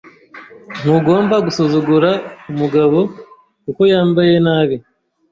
Ntugomba gusuzugura umugabo kuko yambaye nabi.